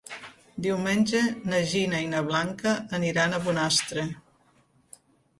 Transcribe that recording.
Diumenge na Gina i na Blanca aniran a Bonastre.